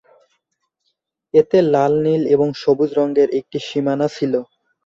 এতে লাল, নীল এবং সবুজ রঙের একটি সীমানা ছিল।